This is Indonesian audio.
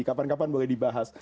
kapan kapan boleh dibahas